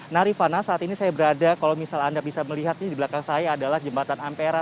nah rifana saat ini saya berada kalau misal anda bisa melihat ini di belakang saya adalah jembatan ampera